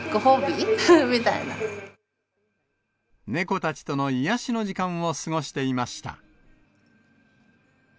猫たちとの癒やしの時間を過ごしていました。